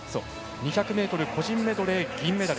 ２００ｍ個人メドレー銀メダル。